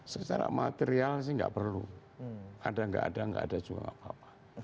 secara material sih nggak perlu ada nggak ada nggak ada juga apa apa